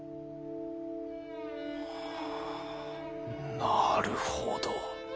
なるほど。